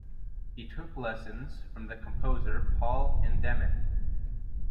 He took lessons from the composer Paul Hindemith.